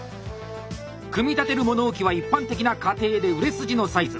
組み立てる物置は一般的な家庭で売れ筋のサイズ。